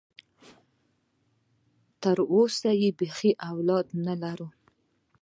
تر اوسه خو بيخي اولاد لا نه لري.